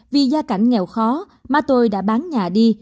vì gia cảnh nghèo khó mà tôi đã bán nhà đi